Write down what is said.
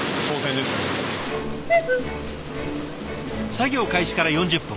作業開始から４０分。